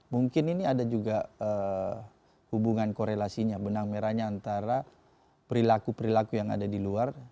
mungkin ini ada juga hubungan korelasinya benang merahnya antara perilaku perilaku yang ada di luar